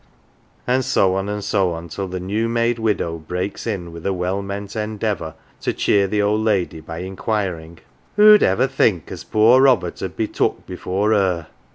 And so on, and so on till the new made widow breaks in with a well meant endeavour to cheer the old lady by inquiring, " Who'd ever think as poor Robert 'ud be took before her